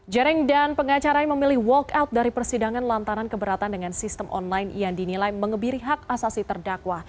jaring dan pengacara memilih walkout dari persidangan lantaran keberatan dengan sistem online yang dinilai mengebiri hak asasi terdakwa